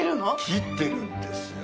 切ってるんですよ。